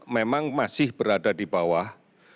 memang masih berada di bawah